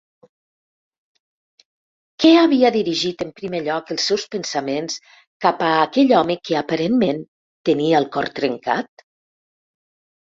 Què havia dirigit en primer lloc els seus pensaments cap a aquell home que, aparentment, tenia el cor trencat?